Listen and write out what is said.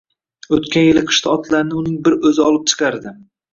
O`tgan yili qishda otlarni uning bir o`zi olib chiqardi